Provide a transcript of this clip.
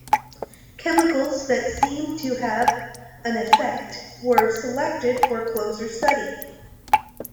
Chemicals that seemed to have an effect were selected for closer study.